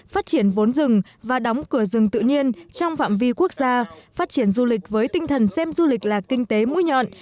phát triển vốn rừng và đóng cửa rừng tự nhiên trong phạm vi quốc gia phát triển du lịch với tinh thần xem du lịch là kinh tế mũi nhọn